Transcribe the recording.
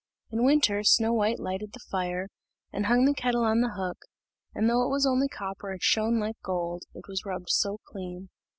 In winter Snow white lighted the fire, and hung the kettle on the hook; and though it was only copper, it shone like gold, it was rubbed so clean.